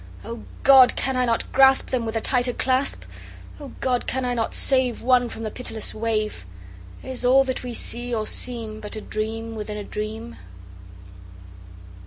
O God! can I not grasp Them with a tighter clasp? O God! can I not save One from the pitiless wave? Is all that we see or seem But a dream within a dream?